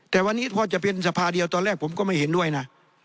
แต่วันนี้พอจะเป็นสภาเดียวตอนแรกผมก็ไม่เห็นด้วยนะ